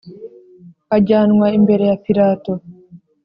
Ajyanwa imbere ya Pilato